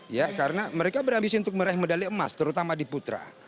ya karena mereka berambisi untuk meraih medali emas terutama di putra